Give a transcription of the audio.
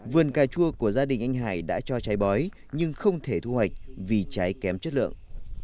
vườn cà chua của gia đình anh hải đã cho trái bói nhưng không thể thu hoạch vì trái kém chất lượng